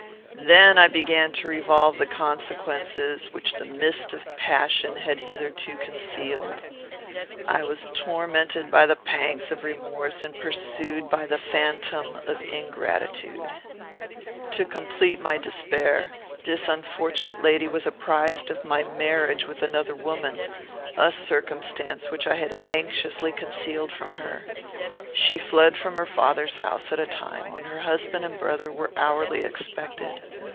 "Then I began to revolve the consequences, which the mist of passion had hitherto concealed. I was tormented by the pangs of remorse, and pursued by the phantom of ingratitude. To complete my despair, this unfortunate lady was apprized of my marriage with another woman; a circumstance which I had anxiously concealed from her. She fled from her father's house at a time when her husband and brother were hourly expected.